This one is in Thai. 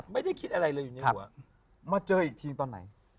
ไม่ได้คิดอะไรเลยอยู่ในหัว